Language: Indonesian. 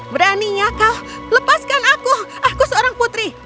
beraninya kau lepaskan aku aku seorang putri